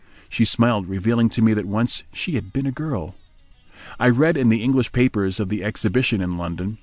She smiled, revealing to me that once she had been a girl. I read in the English papers of the exhibition in London.